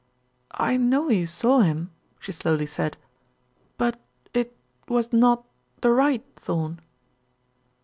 "I know you saw him," she slowly said, "but it was not the right Thorn."